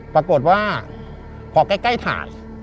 ปรากฏว่าพอใกล้ถ่าย